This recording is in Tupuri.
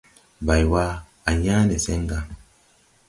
Baywa, a yãã ne seŋ ga.